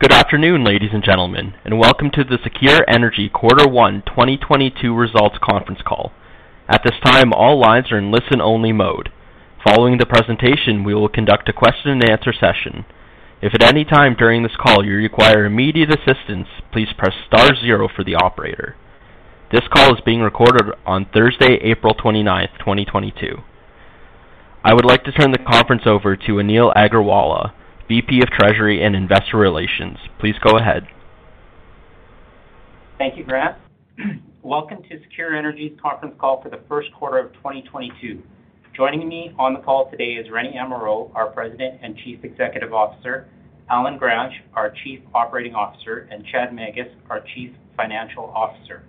Good afternoon, ladies and gentlemen, and welcome to the SECURE Energy Quarter One 2022 Results Conference Call. At this time, all lines are in listen-only mode. Following the presentation, we will conduct a question-and-answer session. If at any time during this call you require immediate assistance, please press star zero for the operator. This call is being recorded on Thursday, April 29th, 2022. I would like to turn the conference over to Anil Aggarwala, VP of Treasury and Investor Relations. Please go ahead. Thank you, Grant. Welcome to SECURE Energy's conference call for the first quarter of 2022. Joining me on the call today is Rene Amirault, our President and Chief Executive Officer, Allen Gransch, our Chief Operating Officer, and Chad Magus, our Chief Financial Officer.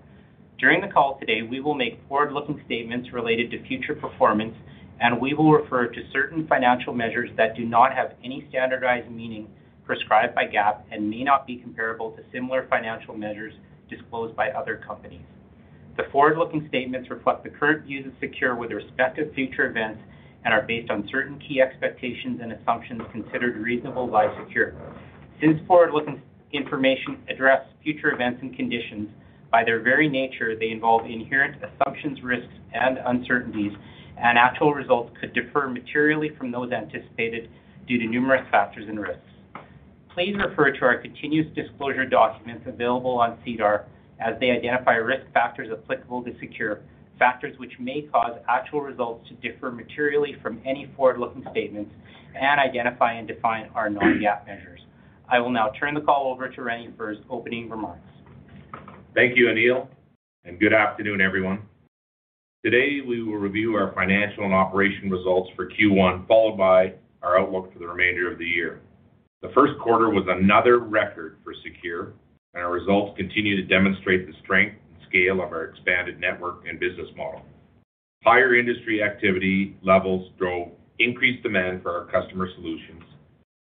During the call today, we will make forward-looking statements related to future performance, and we will refer to certain financial measures that do not have any standardized meaning prescribed by GAAP and may not be comparable to similar financial measures disclosed by other companies. The forward-looking statements reflect the current views of SECURE with respect to future events and are based on certain key expectations and assumptions considered reasonable by SECURE. Since forward-looking information address future events and conditions, by their very nature, they involve inherent assumptions, risks and uncertainties, and actual results could differ materially from those anticipated due to numerous factors and risks. Please refer to our continuous disclosure documents available on SEDAR as they identify risk factors applicable to SECURE, factors which may cause actual results to differ materially from any forward-looking statements and identify and define our non-GAAP measures. I will now turn the call over to Rene for his opening remarks. Thank you, Anil, and good afternoon, everyone. Today, we will review our financial and operational results for Q1, followed by our outlook for the remainder of the year. The first quarter was another record for SECURE, and our results continue to demonstrate the strength and scale of our expanded network and business model. Higher industry activity levels drove increased demand for our customer solutions.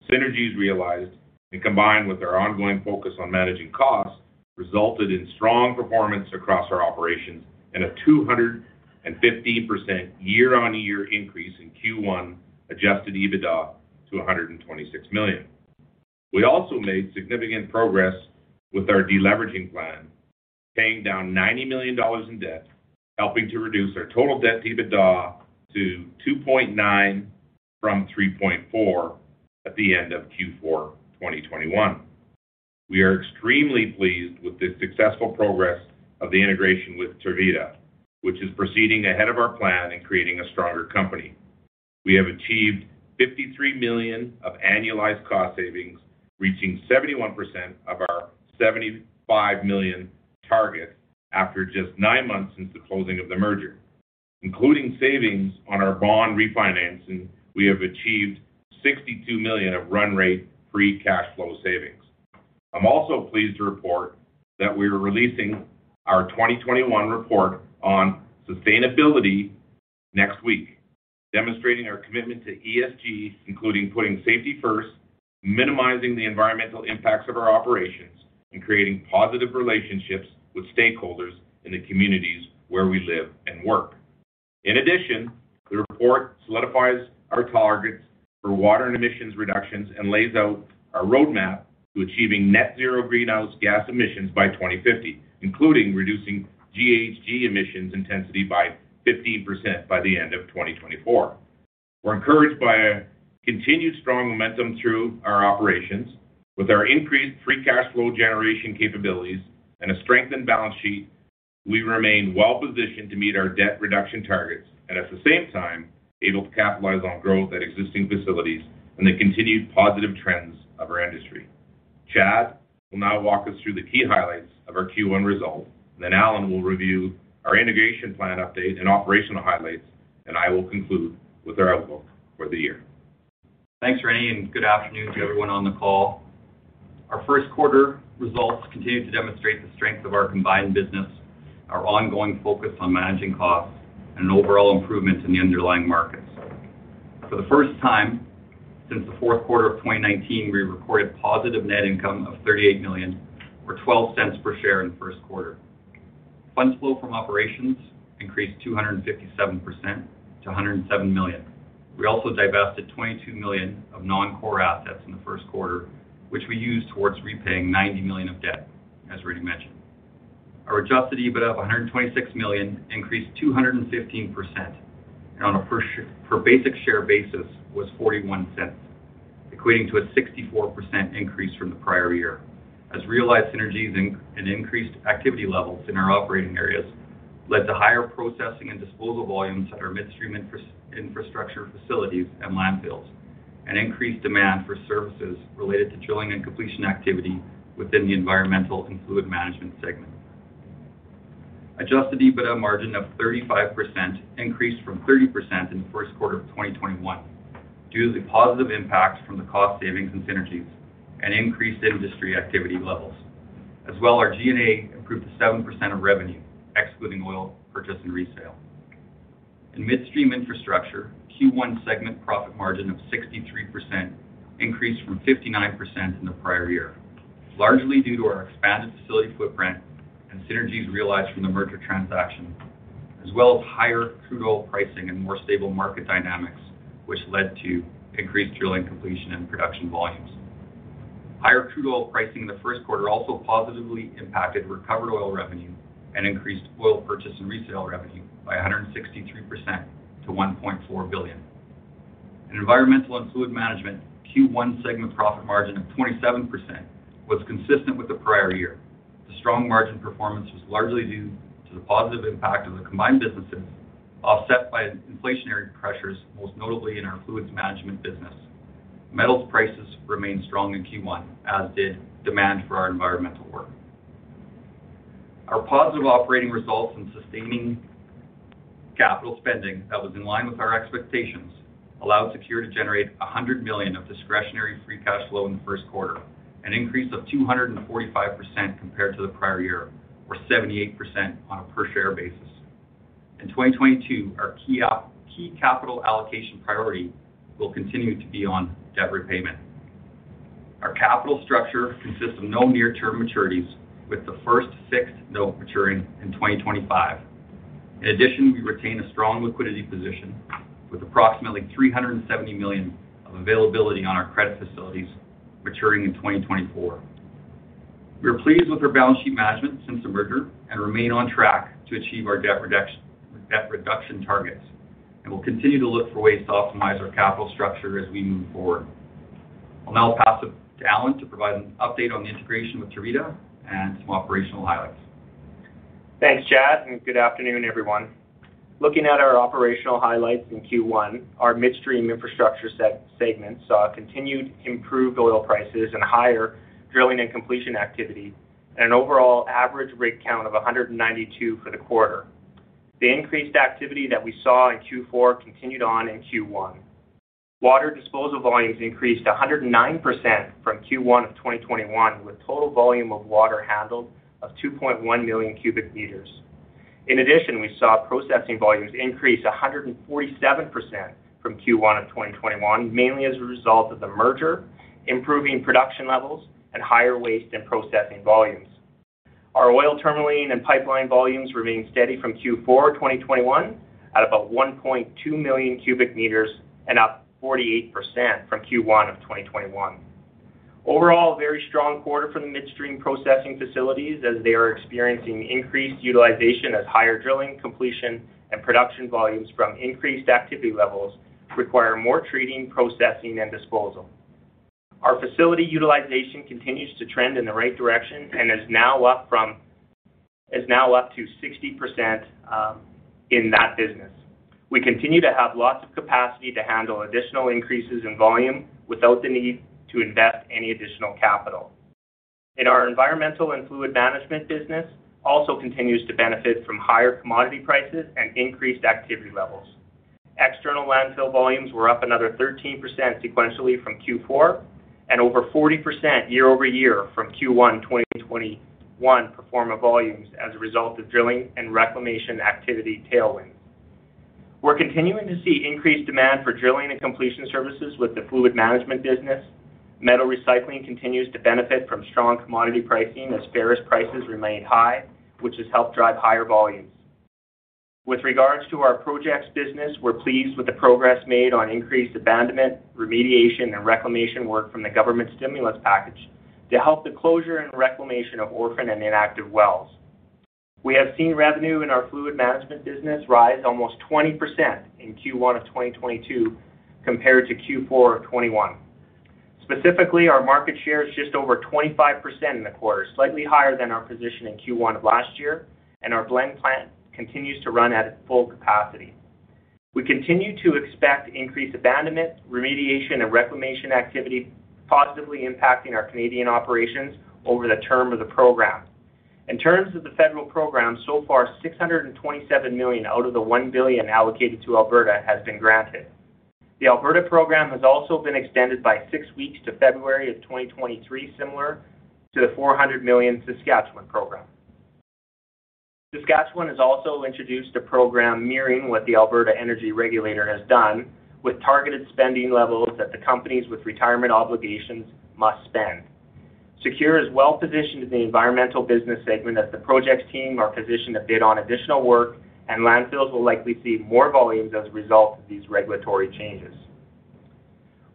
Synergies realized, and combined with our ongoing focus on managing costs, resulted in strong performance across our operations and a 215% year-on-year increase in Q1 adjusted EBITDA to 126 million. We also made significant progress with our deleveraging plan, paying down 90 million dollars in debt, helping to reduce our total debt-to-EBITDA to 2.9 from 3.4 at the end of Q4 2021. We are extremely pleased with the successful progress of the integration with Tervita, which is proceeding ahead of our plan in creating a stronger company. We have achieved 53 million of annualized cost savings, reaching 71% of our 75 million target after just nine months since the closing of the merger. Including savings on our bond refinancing, we have achieved 62 million of run rate free cash flow savings. I'm also pleased to report that we are releasing our 2021 report on sustainability next week, demonstrating our commitment to ESG, including putting safety first, minimizing the environmental impacts of our operations, and creating positive relationships with stakeholders in the communities where we live and work. In addition, the report solidifies our targets for water and emissions reductions and lays out a roadmap to achieving net zero greenhouse gas emissions by 2050, including reducing GHG emissions intensity by 15% by the end of 2024. We're encouraged by a continued strong momentum through our operations. With our increased free cash flow generation capabilities and a strengthened balance sheet, we remain well-positioned to meet our debt reduction targets and at the same time, able to capitalize on growth at existing facilities and the continued positive trends of our industry. Chad will now walk us through the key highlights of our Q1 results, and then Allen will review our integration plan update and operational highlights, and I will conclude with our outlook for the year. Thanks, Rene, and good afternoon to everyone on the call. Our first quarter results continue to demonstrate the strength of our combined business, our ongoing focus on managing costs, and an overall improvement in the underlying markets. For the first time since the fourth quarter of 2019, we recorded positive net income of 38 million or 0.12 per share in the first quarter. Funds flow from operations increased 257% to 107 million. We also divested 22 million of non-core assets in the first quarter, which we used towards repaying 90 million of debt, as Rene mentioned. Our adjusted EBITDA of 126 million increased 215%, and on a per basic share basis was 0.41, equating to a 64% increase from the prior year. Realized synergies and increased activity levels in our operating areas led to higher processing and disposal volumes at our Midstream Infrastructure facilities and landfills and increased demand for services related to drilling and completion activity within the Environmental and Fluid Management segment. Adjusted EBITDA margin of 35% increased from 30% in the first quarter of 2021 due to the positive impacts from the cost savings and synergies and increased industry activity levels. As well, our G&A improved to 7% of revenue, excluding oil purchase and resale. In Midstream Infrastructure, Q1 segment profit margin of 63% increased from 59% in the prior year, largely due to our expanded facility footprint and synergies realized from the merger transaction. As well as higher crude oil pricing and more stable market dynamics, which led to increased drilling completion and production volumes. Higher crude oil pricing in the first quarter also positively impacted recovered oil revenue and increased oil purchase and resale revenue by 163% to 1.4 billion. In Environmental and Fluid Management, Q1 segment profit margin of 27% was consistent with the prior year. The strong margin performance was largely due to the positive impact of the combined businesses, offset by inflationary pressures, most notably in our fluids management business. Metals prices remained strong in Q1, as did demand for our environmental work. Our positive operating results and sustaining capital spending that was in line with our expectations allowed SECURE to generate 100 million of discretionary free cash flow in the first quarter, an increase of 245% compared to the prior year, or 78% on a per-share basis. In 2022, our key capital allocation priority will continue to be on debt repayment. Our capital structure consists of no near-term maturities, with the first fixed note maturing in 2025. In addition, we retain a strong liquidity position with approximately 370 million of availability on our credit facilities maturing in 2024. We are pleased with our balance sheet management since the merger and remain on track to achieve our debt reduction targets, and we'll continue to look for ways to optimize our capital structure as we move forward. I'll now pass it to Allen to provide an update on the integration with Tervita and some operational highlights. Thanks, Chad, and good afternoon, everyone. Looking at our operational highlights in Q1, our Midstream Infrastructure segment saw continued improved oil prices and higher drilling and completion activity at an overall average rig count of 192 for the quarter. The increased activity that we saw in Q4 continued on in Q1. Water disposal volumes increased 109% from Q1 of 2021, with total volume of water handled of 2.1 million cubic meters. In addition, we saw processing volumes increase 147% from Q1 of 2021, mainly as a result of the merger, improving production levels, and higher waste and processing volumes. Our oil terminalling and pipeline volumes remained steady from Q4 of 2021 at about 1.2 million cubic meters and up 48% from Q1 of 2021. Overall, a very strong quarter for the midstream processing facilities as they are experiencing increased utilization as higher drilling, completion, and production volumes from increased activity levels require more treating, processing, and disposal. Our facility utilization continues to trend in the right direction and is now up to 60%, in that business. We continue to have lots of capacity to handle additional increases in volume without the need to invest any additional capital. Our environmental and fluid management business also continues to benefit from higher commodity prices and increased activity levels. External landfill volumes were up another 13% sequentially from Q4 and over 40% year-over-year from Q1 2021 pro forma volumes as a result of drilling and reclamation activity tailwinds. We're continuing to see increased demand for drilling and completion services with the fluid management business. Metal recycling continues to benefit from strong commodity pricing as ferrous prices remain high, which has helped drive higher volumes. With regards to our projects business, we're pleased with the progress made on increased abandonment, remediation, and reclamation work from the government stimulus package to help the closure and reclamation of orphan and inactive wells. We have seen revenue in our fluid management business rise almost 20% in Q1 of 2022 compared to Q4 of 2021. Specifically, our market share is just over 25% in the quarter, slightly higher than our position in Q1 of last year, and our blend plant continues to run at full capacity. We continue to expect increased abandonment, remediation, and reclamation activity positively impacting our Canadian operations over the term of the program. In terms of the federal program, so far 627 million out of the 1 billion allocated to Alberta has been granted. The Alberta program has also been extended by six weeks to February 2023, similar to the 400 million Saskatchewan program. Saskatchewan has also introduced a program mirroring what the Alberta Energy Regulator has done with targeted spending levels that the companies with retirement obligations must spend. SECURE is well-positioned in the environmental business segment as the projects team are positioned to bid on additional work, and landfills will likely see more volumes as a result of these regulatory changes.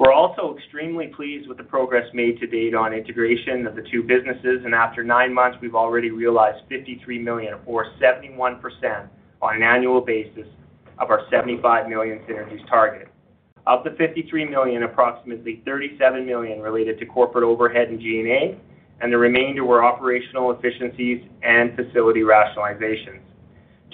We're also extremely pleased with the progress made to date on integration of the two businesses, and after nine months, we've already realized 53 million, or 71% on an annual basis of our 75 million synergies target. Of the 53 million, approximately 37 million related to corporate overhead and G&A, and the remainder were operational efficiencies and facility rationalizations.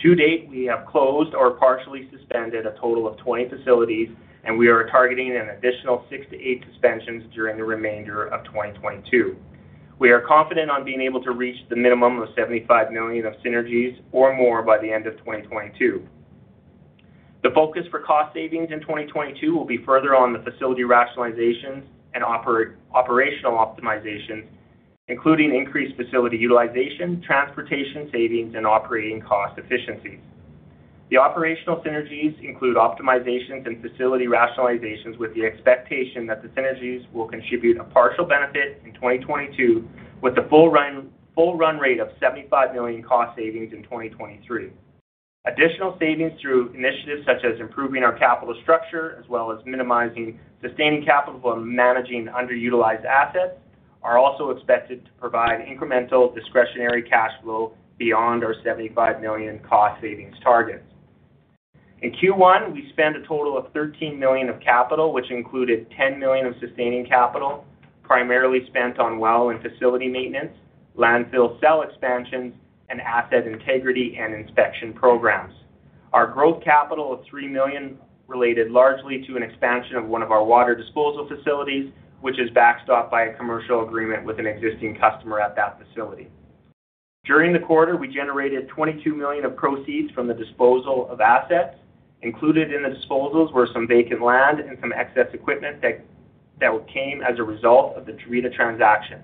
To date, we have closed or partially suspended a total of 20 facilities, and we are targeting an additional six to eight suspensions during the remainder of 2022. We are confident on being able to reach the minimum of 75 million of synergies or more by the end of 2022. The focus for cost savings in 2022 will be further on the facility rationalizations and operational optimizations, including increased facility utilization, transportation savings, and operating cost efficiencies. The operational synergies include optimizations and facility rationalizations with the expectation that the synergies will contribute a partial benefit in 2022 with a full run rate of 75 million cost savings in 2023. Additional savings through initiatives such as improving our capital structure as well as minimizing sustaining capital and managing underutilized assets are also expected to provide incremental discretionary cash flow beyond our 75 million cost savings targets. In Q1, we spent a total of 13 million of capital, which included 10 million of sustaining capital, primarily spent on well and facility maintenance, landfill cell expansions, and asset integrity and inspection programs. Our growth capital of 3 million related largely to an expansion of one of our water disposal facilities, which is backstopped by a commercial agreement with an existing customer at that facility. During the quarter, we generated 22 million of proceeds from the disposal of assets. Included in the disposals were some vacant land and some excess equipment that came as a result of the Tervita transaction.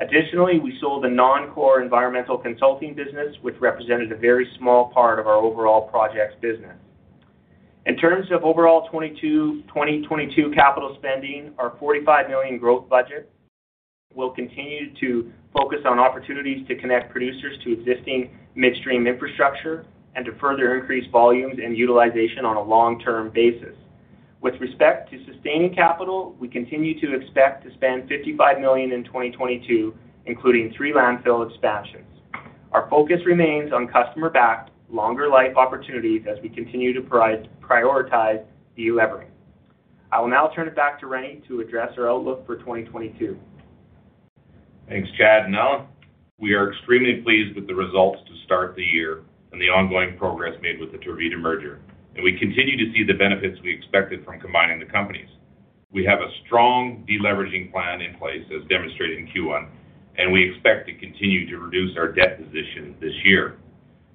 Additionally, we sold a non-core environmental consulting business which represented a very small part of our overall projects business. In terms of overall 2022 capital spending, our 45 million growth budget will continue to focus on opportunities to connect producers to existing midstream infrastructure and to further increase volumes and utilization on a long-term basis. With respect to sustaining capital, we continue to expect to spend 55 million in 2022, including three landfill expansions. Our focus remains on customer-backed, longer-life opportunities as we continue to prioritize delevering. I will now turn it back to Rene to address our outlook for 2022. Thanks, Chad and Allen. We are extremely pleased with the results to start the year and the ongoing progress made with the Tervita merger, and we continue to see the benefits we expected from combining the companies. We have a strong deleveraging plan in place as demonstrated in Q1, and we expect to continue to reduce our debt position this year.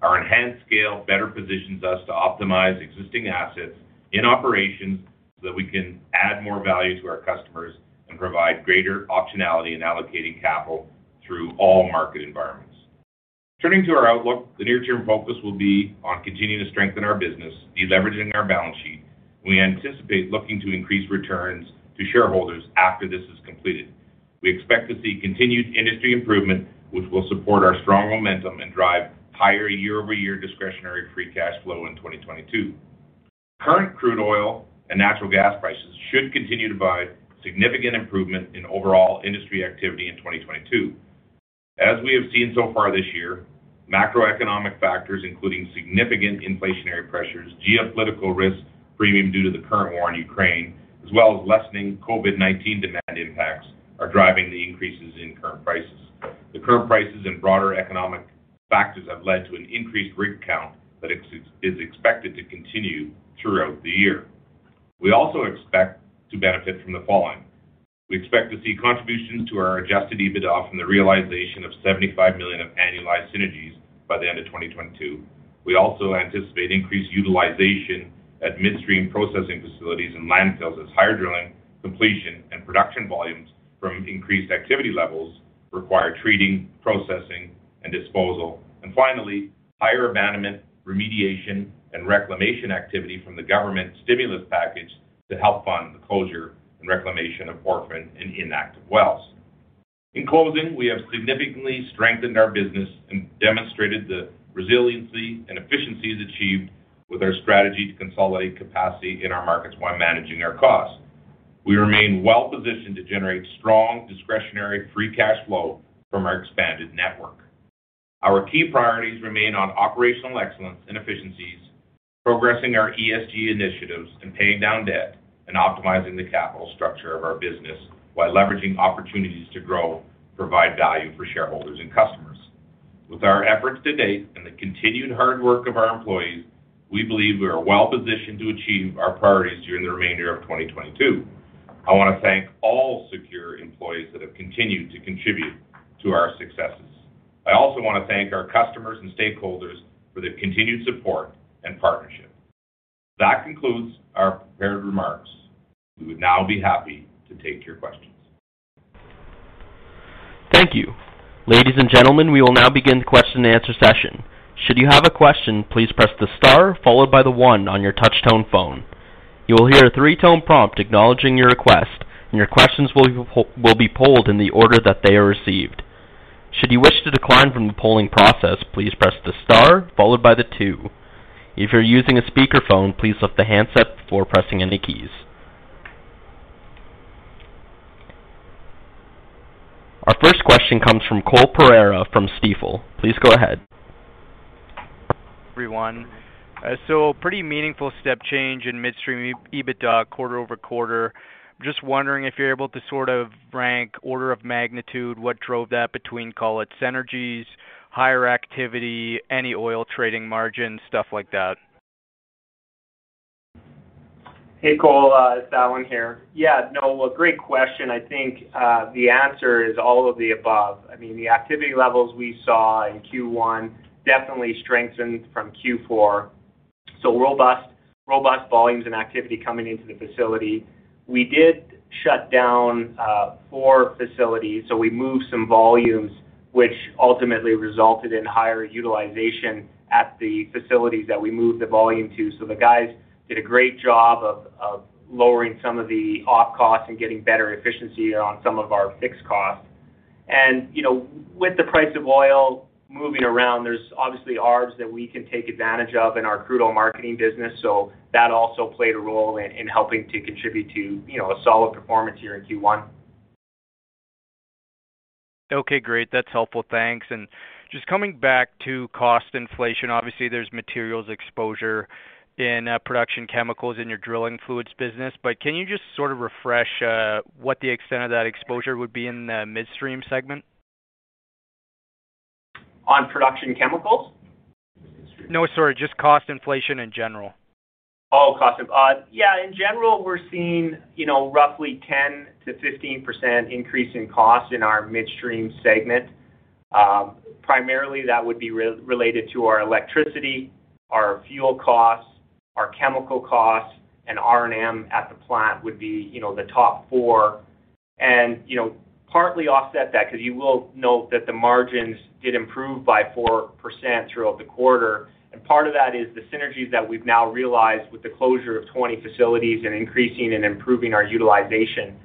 Our enhanced scale better positions us to optimize existing assets in operations so that we can add more value to our customers and provide greater optionality in allocating capital through all market environments. Turning to our outlook, the near-term focus will be on continuing to strengthen our business, deleveraging our balance sheet. We anticipate looking to increase returns to shareholders after this is completed. We expect to see continued industry improvement, which will support our strong momentum and drive higher year-over-year discretionary free cash flow in 2022. Current crude oil and natural gas prices should continue to provide significant improvement in overall industry activity in 2022. As we have seen so far this year, macroeconomic factors, including significant inflationary pressures, geopolitical risk premium due to the current war in Ukraine, as well as lessening COVID-19 demand impacts, are driving the increases in current prices. The current prices and broader economic factors have led to an increased rig count that is expected to continue throughout the year. We also expect to benefit from the following. We expect to see contributions to our adjusted EBITDA from the realization of 75 million of annualized synergies by the end of 2022. We also anticipate increased utilization at midstream processing facilities and landfills as higher drilling, completion, and production volumes from increased activity levels require treating, processing, and disposal. Finally, higher abandonment, remediation, and reclamation activity from the government stimulus package to help fund the closure and reclamation of orphaned and inactive wells. In closing, we have significantly strengthened our business and demonstrated the resiliency and efficiencies achieved with our strategy to consolidate capacity in our markets while managing our costs. We remain well positioned to generate strong discretionary free cash flow from our expanded network. Our key priorities remain on operational excellence and efficiencies, progressing our ESG initiatives and paying down debt and optimizing the capital structure of our business while leveraging opportunities to grow, provide value for shareholders and customers. With our efforts to date and the continued hard work of our employees, we believe we are well positioned to achieve our priorities during the remainder of 2022. I want to thank all SECURE employees that have continued to contribute to our successes. I also want to thank our customers and stakeholders for their continued support and partnership. That concludes our prepared remarks. We would now be happy to take your questions. Thank you. Ladies and gentlemen, we will now begin the question and answer session. Should you have a question, please press the star followed by the one on your touch tone phone. You will hear a three-tone prompt acknowledging your request, and your questions will be polled in the order that they are received. Should you wish to decline from the polling process, please press the star followed by the two. If you're using a speakerphone, please lift the handset before pressing any keys. Our first question comes from Cole Pereira from Stifel. Please go ahead. Everyone. Pretty meaningful step change in midstream EBITDA quarter-over-quarter. Just wondering if you're able to sort of rank order of magnitude what drove that between, call it synergies, higher activity, any oil trading margin, stuff like that. Hey, Cole. It's Allen here. Yeah, no, a great question. I think, the answer is all of the above. I mean, the activity levels we saw in Q1 definitely strengthened from Q4. Robust volumes and activity coming into the facility. We did shut down four facilities, so we moved some volumes, which ultimately resulted in higher utilization at the facilities that we moved the volume to. The guys did a great job of lowering some of the Op costs and getting better efficiency on some of our fixed costs. You know, with the price of oil moving around, there's obviously arbs that we can take advantage of in our crude oil marketing business. That also played a role in helping to contribute to, you know, a solid performance here in Q1. Okay, great. That's helpful. Thanks. Just coming back to cost inflation, obviously, there's materials exposure in production chemicals in your drilling fluids business, but can you just sort of refresh what the extent of that exposure would be in the midstream segment? On production chemicals? No, sorry, just cost inflation in general. Yeah, in general, we're seeing, you know, roughly 10% to 15% increase in cost in our midstream segment. Primarily, that would be related to our electricity, our fuel costs, our chemical costs, and R&M at the plant would be, you know, the top four. You know, partly offset that because you will note that the margins did improve by 4% throughout the quarter. Part of that is the synergies that we've now realized with the closure of 20 facilities and increasing and improving our utilization.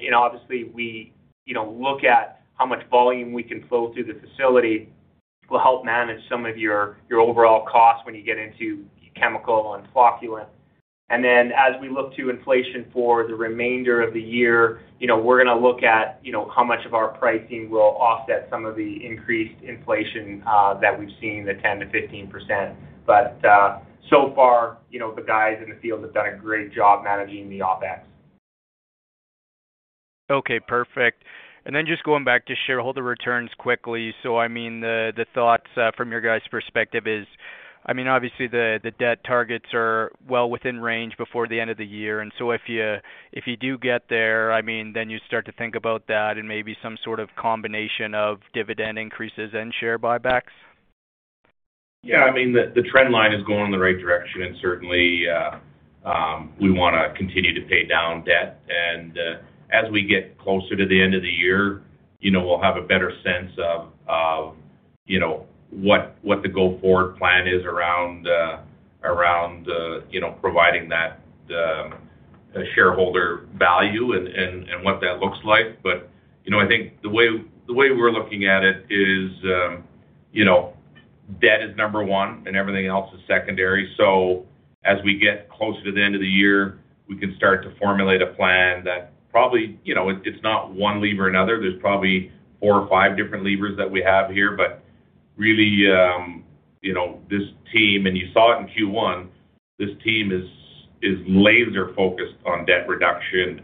You know, obviously we, you know, look at how much volume we can flow through the facility will help manage some of your overall costs when you get into chemical and flocculant. As we look to inflation for the remainder of the year, you know, we're gonna look at, you know, how much of our pricing will offset some of the increased inflation that we've seen, the 10% to 15%. So far, you know, the guys in the field have done a great job managing the OpEx. Okay, perfect. Then just going back to shareholder returns quickly. I mean, the thoughts from your guys' perspective is, I mean, obviously the debt targets are well within range before the end of the year. If you do get there, I mean, then you start to think about that and maybe some sort of combination of dividend increases and share buybacks. Yeah. I mean, the trend line is going in the right direction, and certainly, we wanna continue to pay down debt. As we get closer to the end of the year, you know, we'll have a better sense of, you know, what the go-forward plan is around you know providing that shareholder value and what that looks like. I think the way we're looking at it is, you know, debt is number one and everything else is secondary. As we get closer to the end of the year, we can start to formulate a plan that probably, you know, it's not one lever or another. There's probably four or five different levers that we have here. Really, you know, this team, and you saw it in Q1, this team is laser-focused on debt reduction.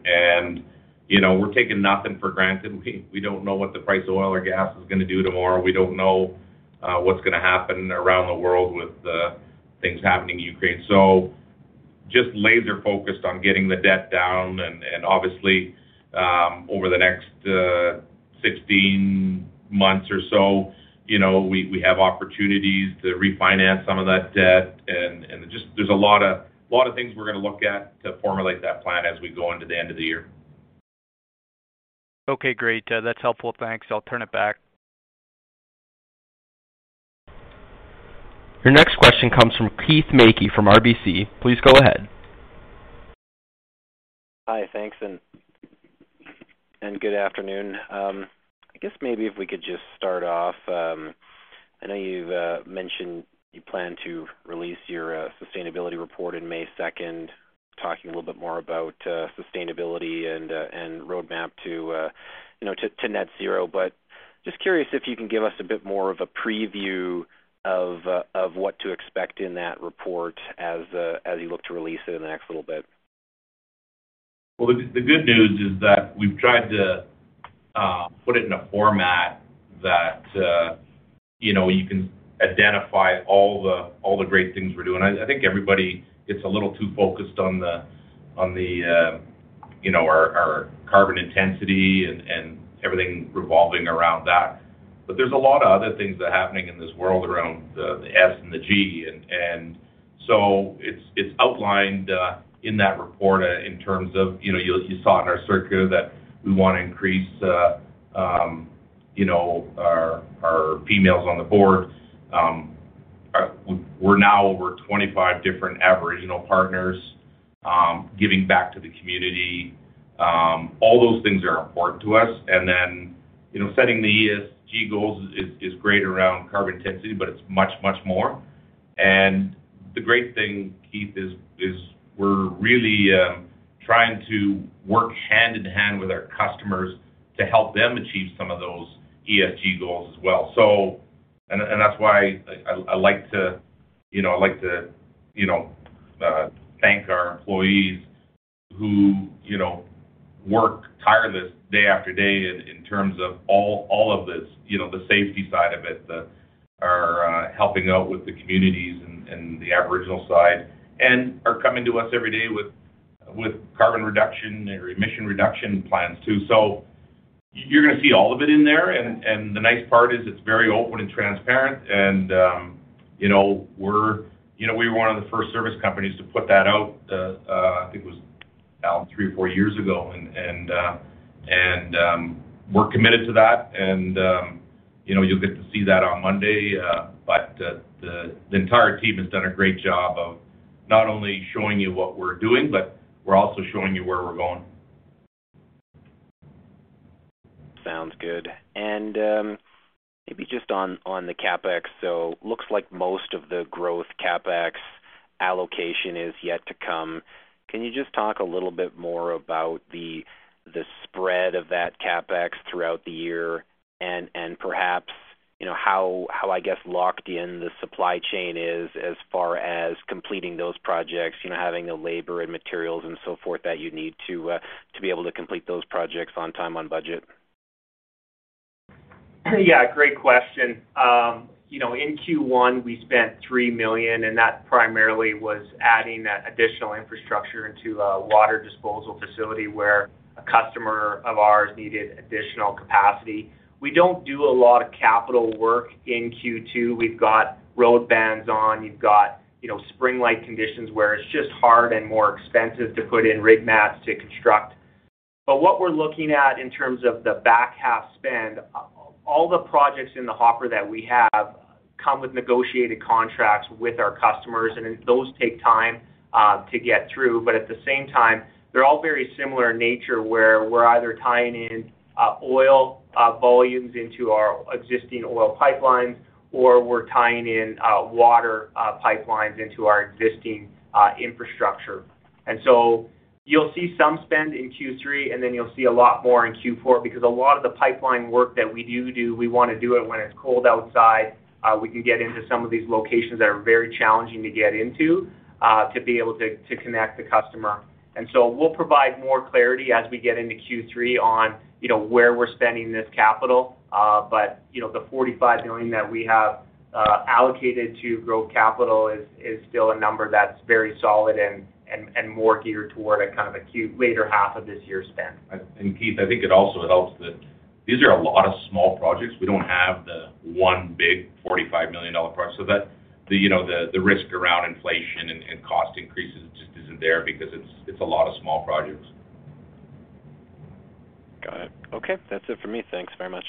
You know, we're taking nothing for granted. We don't know what the price of oil or gas is gonna do tomorrow. We don't know what's gonna happen around the world with things happening in Ukraine. Just laser-focused on getting the debt down. Obviously, over the next 16 months or so, you know, we have opportunities to refinance some of that debt. Just, there's a lot of things we're gonna look at to formulate that plan as we go into the end of the year. Okay, great. That's helpful. Thanks. I'll turn it back. Your next question comes from Keith Mackey from RBC. Please go ahead. Hi. Thanks, and good afternoon. I guess maybe if we could just start off, I know you've mentioned you plan to release your sustainability report in May second, talking a little bit more about sustainability and roadmap to you know to net zero. Just curious if you can give us a bit more of a preview of what to expect in that report as you look to release it in the next little bit. Well, the good news is that we've tried to put it in a format that you know, you can identify all the great things we're doing. I think everybody gets a little too focused on the you know, our carbon intensity and everything revolving around that. There's a lot of other things that are happening in this world around the S and the G. It's outlined in that report in terms of you know, you saw it in our circular that we wanna increase you know, our females on the board. We're now over 25 different Aboriginal partners, giving back to the community. All those things are important to us. You know, setting the ESG goals is great around carbon intensity, but it's much, much more. The great thing, Keith, is we're really trying to work hand in hand with our customers to help them achieve some of those ESG goals as well. And that's why I like to, you know, thank our employees who, you know, work tirelessly day after day in terms of all of this, you know, the safety side of it, helping out with the communities and the Aboriginal side, and are coming to us every day with carbon reduction or emission reduction plans too. You're gonna see all of it in there. The nice part is it's very open and transparent and, you know, we were one of the first service companies to put that out. I think it was now three or four years ago. We're committed to that and, you know, you'll get to see that on Monday. The entire team has done a great job of not only showing you what we're doing, but we're also showing you where we're going. Sounds good. Maybe just on the CapEx. Looks like most of the growth CapEx allocation is yet to come. Can you just talk a little bit more about the spread of that CapEx throughout the year and perhaps, you know, how, I guess, locked in the supply chain is as far as completing those projects, you know, having the labor and materials and so forth that you need to be able to complete those projects on time, on budget? Yeah, great question. You know, in Q1 we spent 3 million, and that primarily was adding that additional infrastructure into a water disposal facility where a customer of ours needed additional capacity. We don't do a lot of capital work in Q2. We've got road bans on. You've got, you know, spring-like conditions where it's just hard and more expensive to put in rig mats to construct. What we're looking at in terms of the back half spend, all the projects in the hopper that we have come with negotiated contracts with our customers, and those take time, to get through. At the same time, they're all very similar in nature, where we're either tying in, oil, volumes into our existing oil pipelines or we're tying in, water, pipelines into our existing, infrastructure. You'll see some spend in Q3, and then you'll see a lot more in Q4, because a lot of the pipeline work that we do, we wanna do it when it's cold outside. We can get into some of these locations that are very challenging to get into, to be able to connect the customer. We'll provide more clarity as we get into Q3 on, you know, where we're spending this capital. But, you know, the 45 million that we have allocated to grow capital is still a number that's very solid and more geared toward a kind of a later half of this year spend. Keith, I think it also helps that these are a lot of small projects. We don't have the one big 45 million dollar project, so that, you know, the risk around inflation and cost increases just isn't there because it's a lot of small projects. Got it. Okay. That's it for me. Thanks very much.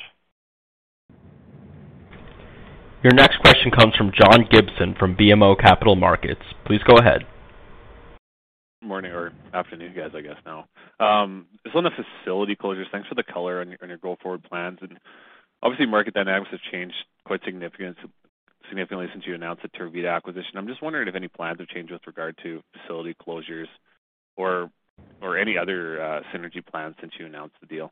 Your next question comes from John Gibson from BMO Capital Markets. Please go ahead. Morning or afternoon, guys, I guess now. Just on the facility closures, thanks for the color on your go-forward plans. Obviously market dynamics have changed quite significantly since you announced the Tervita acquisition. I'm just wondering if any plans have changed with regard to facility closures or any other synergy plans since you announced the deal.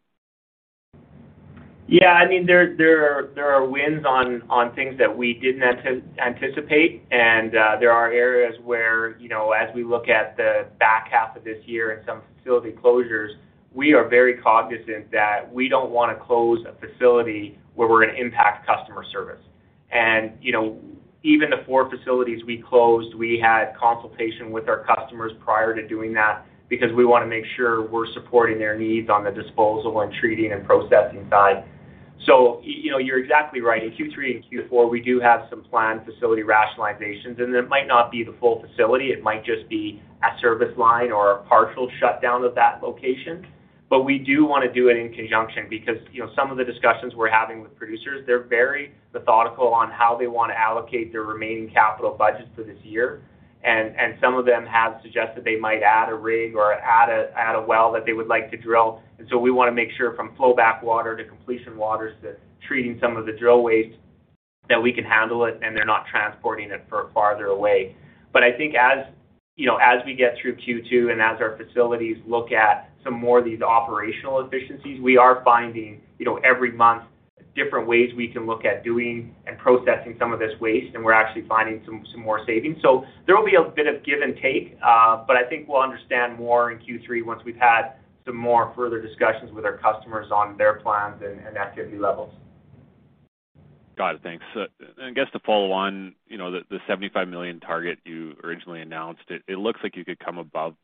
Yeah, I mean, there are wins on things that we didn't anticipate. There are areas where, you know, as we look at the back half of this year and some facility closures, we are very cognizant that we don't wanna close a facility where we're gonna impact customer service. You know, even the four facilities we closed, we had consultation with our customers prior to doing that because we wanna make sure we're supporting their needs on the disposal and treating and processing side. You know, you're exactly right. In Q3 and Q4, we do have some planned facility rationalizations, and it might not be the full facility. It might just be a service line or a partial shutdown of that location. We do wanna do it in conjunction because, you know, some of the discussions we're having with producers, they're very methodical on how they wanna allocate their remaining capital budgets for this year. Some of them have suggested they might add a rig or add a well that they would like to drill. We wanna make sure from flow back water to completion waters to treating some of the drill waste, that we can handle it and they're not transporting it too far away. I think as you know, as we get through Q2 and as our facilities look at some more of these operational efficiencies, we are finding, you know, every month, different ways we can look at doing and processing some of this waste, and we're actually finding some more savings. There will be a bit of give and take, but I think we'll understand more in Q3 once we've had some more further discussions with our customers on their plans and activity levels. Got it. Thanks. I guess to follow on, you know, the 75 million target you originally announced, it looks like you could come above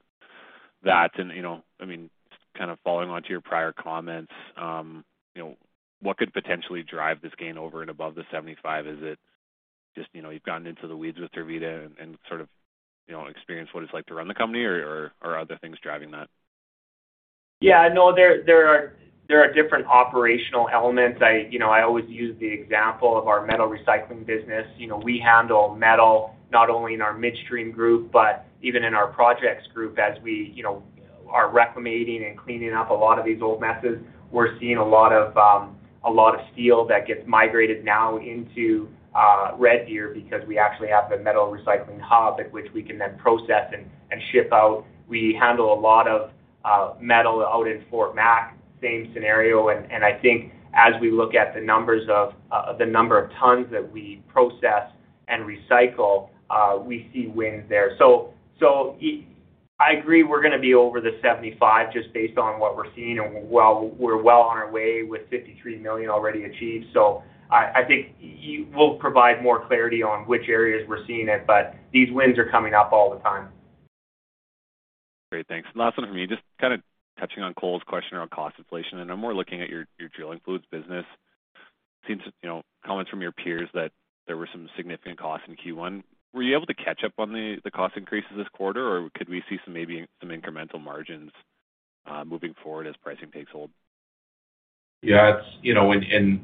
that. You know, I mean, just kind of following on to your prior comments, you know, what could potentially drive this gain over and above the 75 million? Is it just, you know, you've gotten into the weeds with Tervita and sort of, you know, experienced what it's like to run the company or are other things driving that? Yeah, no, there are different operational elements. You know, I always use the example of our metal recycling business. You know, we handle metal not only in our midstream group, but even in our projects group as we, you know, are reclaiming and cleaning up a lot of these old messes. We're seeing a lot of steel that gets migrated now into Red Deer because we actually have the metal recycling hub at which we can then process and ship out. We handle a lot of metal out in Fort Mac, same scenario. I think as we look at the number of tons that we process and recycle, we see wins there. I agree we're gonna be over the 75 million just based on what we're seeing and well, we're well on our way with 53 million already achieved. I think we'll provide more clarity on which areas we're seeing it, but these wins are coming up all the time. Great. Thanks. Last one from me, just kind of touching on Cole's question around cost inflation, and I'm more looking at your drilling fluids business. Seems, you know, comments from your peers that there were some significant costs in Q1. Were you able to catch up on the cost increases this quarter, or could we see some incremental margins moving forward as pricing takes hold? Yeah, it's, you know,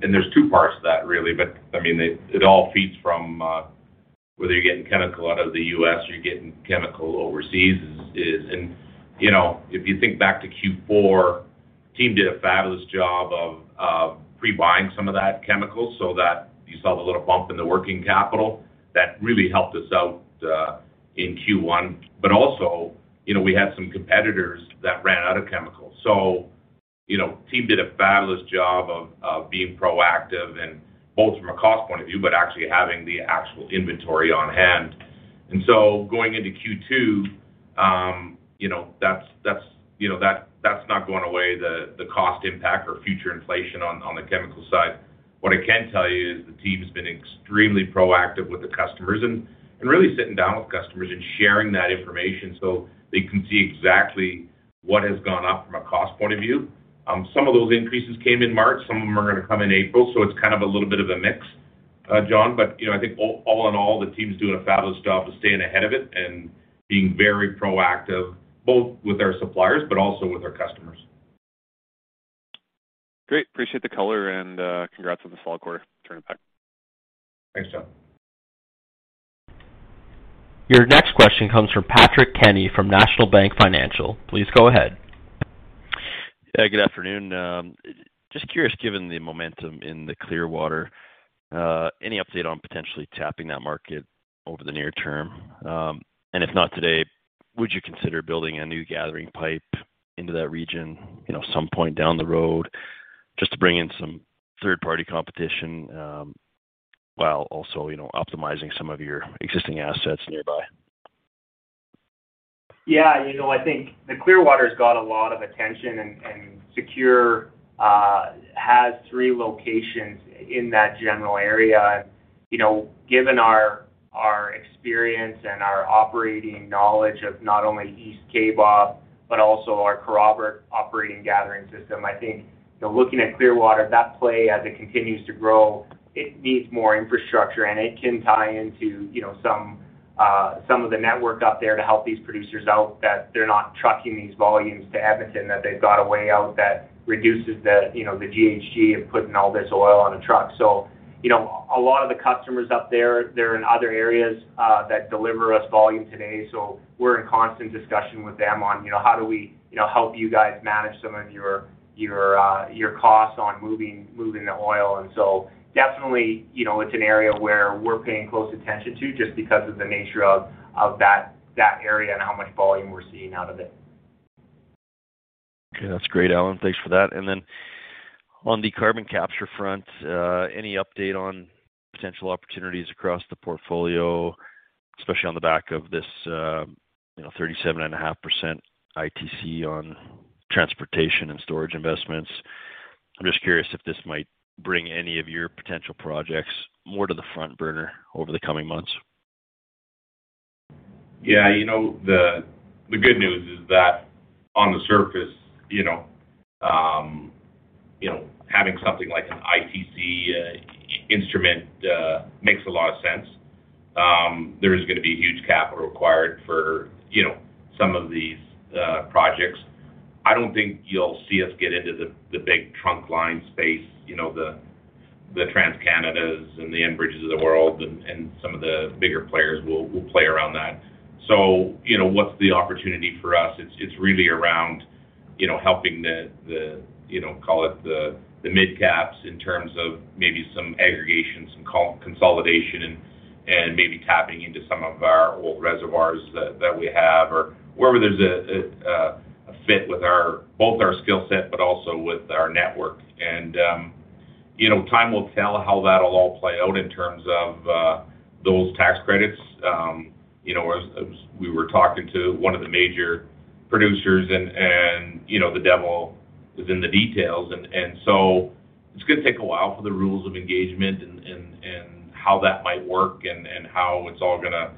there's two parts to that really. I mean, it all feeds from whether you're getting chemical out of the U.S. or you're getting chemical overseas is. You know, if you think back to Q4, team did a fabulous job of pre-buying some of that chemical so that you saw the little bump in the working capital. That really helped us out in Q1. Also, you know, we had some competitors that ran out of chemicals. You know, team did a fabulous job of being proactive and both from a cost point of view, but actually having the actual inventory on hand. Going into Q2, you know, that's not going away, the cost impact or future inflation on the chemical side. What I can tell you is the team's been extremely proactive with the customers and really sitting down with customers and sharing that information so they can see exactly what has gone up from a cost point of view. Some of those increases came in March, some of them are gonna come in April, so it's kind of a little bit of a mix, John. You know, I think all in all, the team's doing a fabulous job of staying ahead of it and being very proactive, both with our suppliers but also with our customers. Great. Appreciate the color and congrats on the solid quarter. Turning it back. Thanks, John. Your next question comes from Patrick Kenny from National Bank Financial. Please go ahead. Yeah, good afternoon. Just curious, given the momentum in the Clearwater, any update on potentially tapping that market over the near term? If not today, would you consider building a new gathering pipe into that region, you know, some point down the road, just to bring in some third-party competition, while also, you know, optimizing some of your existing assets nearby? Yeah. You know, I think the Clearwater's got a lot of attention and SECURE has three locations in that general area. You know, given our experience and our operating knowledge of not only East Kaybob, but also our Kaybob operating gathering system, I think, you know, looking at Clearwater, that play as it continues to grow, it needs more infrastructure and it can tie into, you know, some of the network up there to help these producers out that they're not trucking these volumes to Edmonton, that they've got a way out that reduces the, you know, the GHG of putting all this oil on a truck. You know, a lot of the customers up there, they're in other areas that deliver us volume today, so we're in constant discussion with them on, you know, how do we, you know, help you guys manage some of your costs on moving the oil. Definitely, you know, it's an area where we're paying close attention to just because of the nature of that area and how much volume we're seeing out of it. Okay, that's great, Allen. Thanks for that. On the carbon capture front, any update on potential opportunities across the portfolio, especially on the back of this, 37.5% ITC on transportation and storage investments? I'm just curious if this might bring any of your potential projects more to the front burner over the coming months. Yeah. You know, the good news is that on the surface, you know, having something like an ITC instrument makes a lot of sense. There is gonna be huge capital required for, you know, some of these projects. I don't think you'll see us get into the big trunk line space, you know, the TransCanadas and the Enbridges of the world and some of the bigger players will play around that. You know, what's the opportunity for us? It's really around, you know, helping, you know, call it the mid-caps in terms of maybe some aggregation, some consolidation and maybe tapping into some of our old reservoirs that we have or wherever there's a fit with our skill set, but also with our network. You know, time will tell how that'll all play out in terms of those tax credits. You know, as we were talking to one of the major producers and you know, the devil is in the details. It's gonna take a while for the rules of engagement and how that might work and how it's all gonna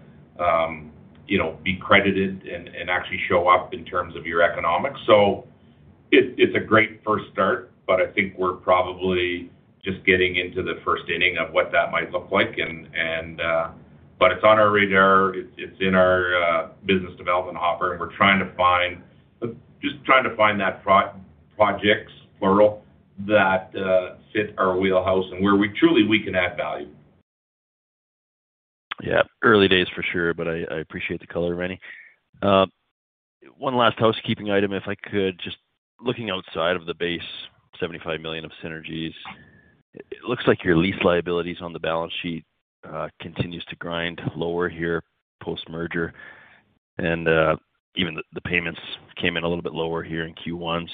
you know, be credited and actually show up in terms of your economics. It's a great first start, but I think we're probably just getting into the first inning of what that might look like, but it's on our radar. It's in our business development hopper, and just trying to find those pro-projects, plural, that fit our wheelhouse and where we truly can add value. Yeah, early days for sure, but I appreciate the color, Rennie. One last housekeeping item, if I could. Just looking outside of the base, 75 million of synergies, it looks like your lease liabilities on the balance sheet continues to grind lower here post-merger. Even the payments came in a little bit lower here in Q1.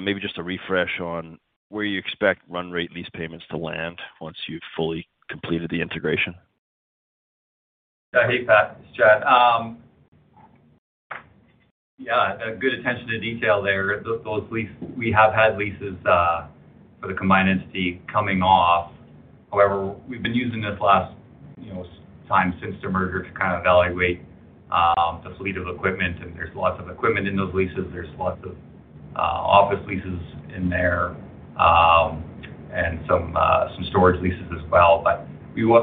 Maybe just a refresh on where you expect run rate lease payments to land once you've fully completed the integration. Yeah. Hey, Pat, it's Chad. Yeah, a good attention to detail there. Those leases we have had for the combined entity coming off. However, we've been using this last, you know, time since the merger to kind of evaluate the fleet of equipment, and there's lots of equipment in those leases. There's lots of office leases in there, and some storage leases as well.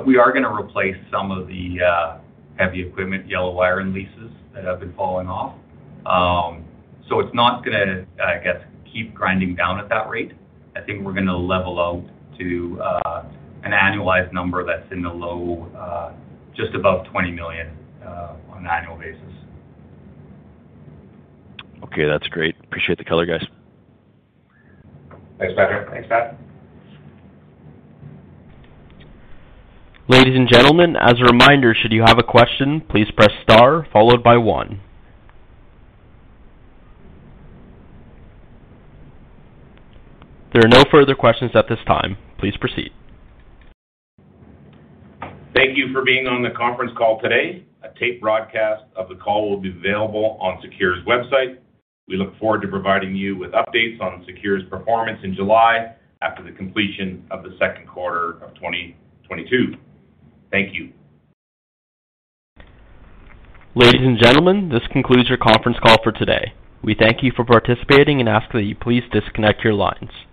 We are gonna replace some of the heavy equipment, yellow iron leases that have been falling off. It's not gonna, I guess, keep grinding down at that rate. I think we're gonna level out to an annualized number that's in the low, just above 20 million, on an annual basis. Okay, that's great. Appreciate the color, guys. Thanks, Patrick. Thanks, Pat. Ladies and gentlemen, as a reminder, should you have a question, please press star followed by one. There are no further questions at this time. Please proceed. Thank you for being on the conference call today. A tape broadcast of the call will be available on SECURE's website. We look forward to providing you with updates on SECURE's performance in July after the completion of the second quarter of 2022. Thank you. Ladies and gentlemen, this concludes your conference call for today. We thank you for participating and ask that you please disconnect your lines.